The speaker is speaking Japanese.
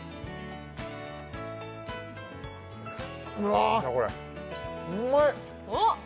うわあうまい！